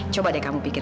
coba deh kamu pikir